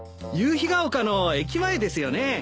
ゆうひが丘の駅前ですよね。